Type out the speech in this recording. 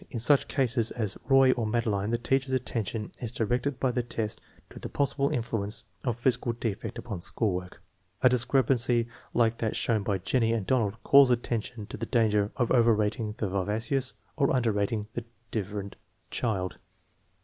La such cases as Roy or Madeline the teacher's attention is directed by the test to the possible influence of physi cal defect upon school work. A discrepancy like that shown by Jennie and Donajd calls attention to the danger of over rating the vivacious or under rating the diffident child.